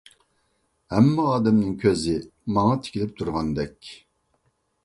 ھەممە ئادەمنىڭ كۆزى ماڭا تىكىلىپ تۇرغاندەك!